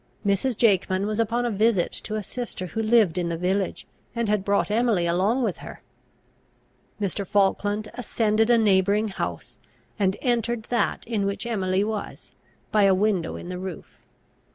Mrs. Jakeman was upon a visit to a sister who lived in the village, and had brought Emily along with her. Mr. Falkland ascended a neighbouring house, and entered that in which Emily was, by a window in the roof.